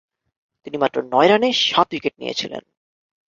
তিনি মাত্র নয় রানে সাত উইকেট নিয়েছিলেন।